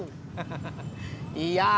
hahaha iya tuh apa